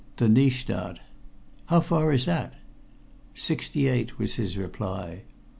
"To Nystad." "How far is that?" "Sixty eight," was his reply.